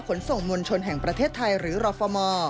ขนส่งมวลชนแห่งประเทศไทยหรือรฟม